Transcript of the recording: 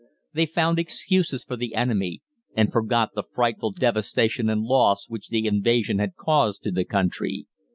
They found excuses for the enemy, and forgot the frightful devastation and loss which the invasion had caused to the country.